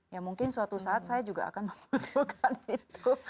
ya mungkin suatu saat saya juga akan mengumpulkan itu